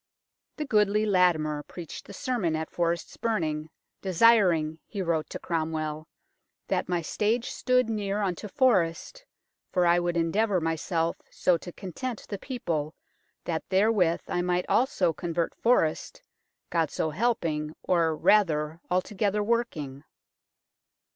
The goodly Latimer preached the sermon at Forest's burning, desiring, he wrote to Cromwell, " that my stage stood near unto Forest, for I would endeavour myself so to content the people, that therewith I might also convert Forest, God so helping, or, rather, altogether working."